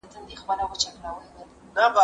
زه هره ورځ کتابونه وړم؟!